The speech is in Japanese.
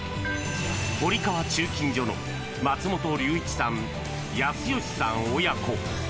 堀川鋳金所の松本隆一さん、育祥さん親子。